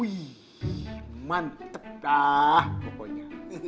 wih mantep dah pokoknya